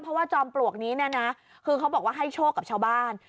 เพราะว่าจอมปลวกนี้เนี่ยนะคือเขาบอกว่าให้โชคกับชาวบ้าน